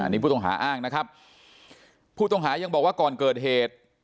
นี่ผู้ต้องหาอ้างนะครับผู้ต้องหายังบอกว่าก่อนเกิดเหตุ